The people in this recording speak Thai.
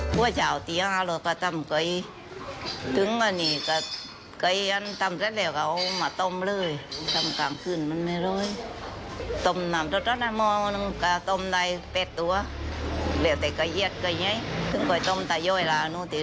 ถ้าต้มจ้องตัวไก่มันมีหวานออกไป